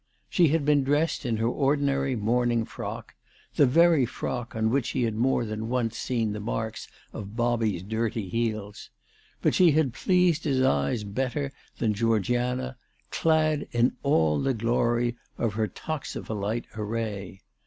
She had been dressed in her ordinary morning frock, the very frock on which he had more than once seen the marks of Bobby's dirty heels ; but she had pleased his eye better than Georgiana, clad in all the glory of her toxopholite array.